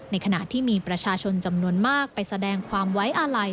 ขณะที่มีประชาชนจำนวนมากไปแสดงความไว้อาลัย